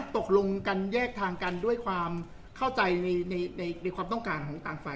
ตกลงกันแยกทางกันด้วยความเข้าใจในความต้องการของต่างฝ่าย